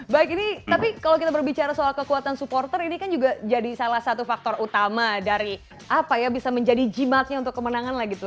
baik ini tapi kalau kita berbicara soal kekuatan supporter ini kan juga jadi salah satu faktor utama dari apa ya bisa menjadi jimatnya untuk kemenangan lah gitu